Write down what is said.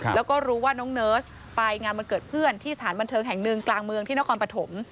แล้วก็รู้ว่าน้องเนิร์สไปงานวันเกิดเพื่อนที่สถานบันเทิงแห่งหนึ่งกลางเมืองที่นครปฐม